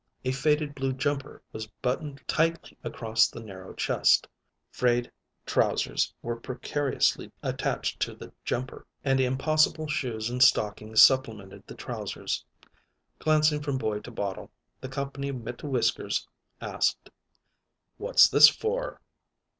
A faded blue "jumper" was buttoned tightly across the narrow chest; frayed trousers were precariously attached to the "jumper," and impossible shoes and stockings supplemented the trousers. Glancing from boy to bottle, the "comp'ny mit whiskers" asked: "What's this for?"